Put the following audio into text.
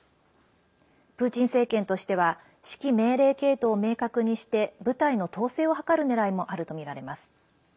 プーチン政権としては指揮命令系統を明確にして部隊の統制を図るねらいもあるとみられます。